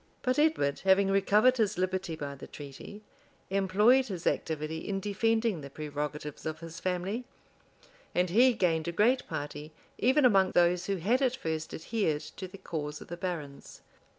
But Edward, having recovered his liberty by the treaty, employed his activity in defending the prerogatives of his family; and he gained a great party even among those who had at first adhered to the cause of the barons.